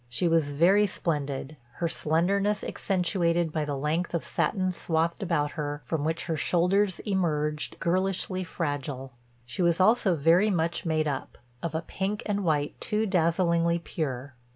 She was very splendid, her slenderness accentuated by the length of satin swathed about her, from which her shoulders emerged, girlishly fragile. She was also very much made up, of a pink and white too dazzlingly pure.